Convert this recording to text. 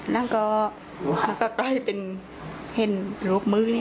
แล้วก็ก็ก็เป็นเห็นลูกมื้อเนี่ย